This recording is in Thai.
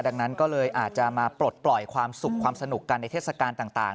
ดังนั้นก็เลยอาจจะมาปลดปล่อยความสุขความสนุกกันในเทศกาลต่าง